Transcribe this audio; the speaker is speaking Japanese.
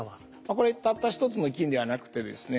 これたった一つの菌ではなくてですね